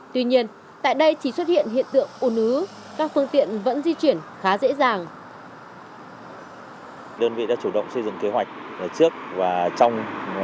tuy nhiên tại đây chỉ xuất hiện hiện tượng ồ ứ các phương tiện vẫn di chuyển khá dễ dàng